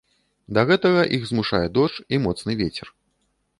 Да гэтага іх змушае дождж і моцны вецер.